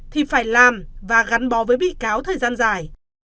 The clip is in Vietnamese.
thì phải làm và gắn bó với bị cáo thời gian dài